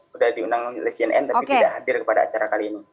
sudah diundang oleh cnn tapi tidak hadir kepada acara kali ini